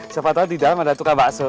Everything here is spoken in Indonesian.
siapa tahu di dalam ada tukang bakso